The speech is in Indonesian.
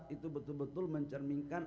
itu betul betul mencerminkan